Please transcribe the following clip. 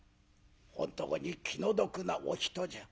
「本当に気の毒なお人じゃ。